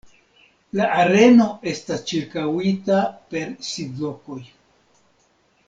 La areno estas ĉirkaŭita per sidlokoj.